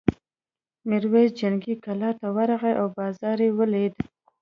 میرويس جنګي کلا ته ورغی او بازار یې ولید.